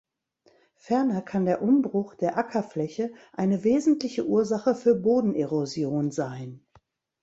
Ferner kann der Umbruch der Ackerfläche eine wesentliche Ursache für Bodenerosion sein.